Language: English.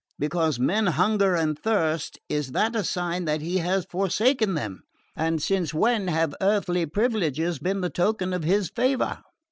Because men hunger and thirst, is that a sign that He has forsaken them? And since when have earthly privileges been the token of His favour?